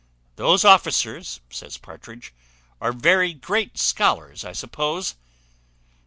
"Those officers," says Partridge, "are very great scholars, I suppose."